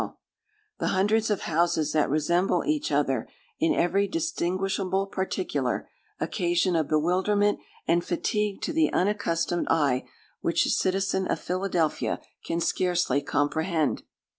The hundreds of houses that resemble each other in every distinguishable particular, occasion a bewilderment and fatigue to the unaccustomed eye, which a citizen of Philadelphia can scarcely comprehend.